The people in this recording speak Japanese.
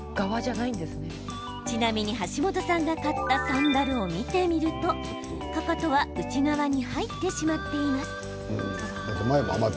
ちなみに、橋本さんが買ったサンダルを見てみるとかかとは内側に入ってしまっています。